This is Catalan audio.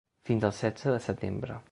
Fins al setze de setembre.